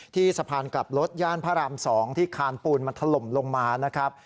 ที่สะพานกลับรถย่านพระราม๒ที่คานปูนมันถล่มลงมานะครับ